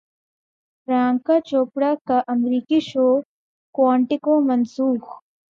پریانکا چوپڑا کا امریکی show Quantico منسوخ